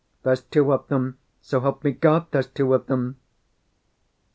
"There's two of them! So help me God, there's two of them!"